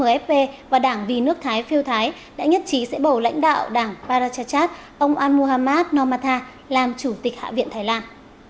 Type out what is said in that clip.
đảng tiến bước mfp và đảng vì nước thái phiêu thái đã nhất trí sẽ bầu lãnh đạo đảng parachachat ông anmohamad nomatha làm chủ tịch hạ viện thái lan